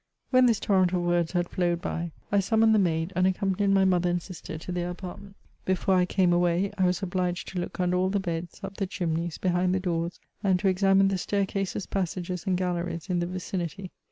When this torrent of words had flowed hy, I summoned the maid, and accompanied my mother and sister to their apart ments. Before I camcTaway, I was ohhged to look under all the beds, up the chimneys, behind the doors, and to examine the staircases, passages, and galleries, in the idcinity.